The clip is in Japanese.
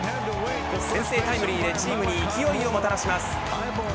先制タイムリーでチームに勢いをもたらします。